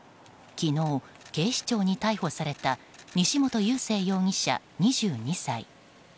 昨日、警視庁に逮捕された西本佑聖容疑者、２２歳。